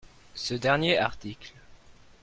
Ce dernier article.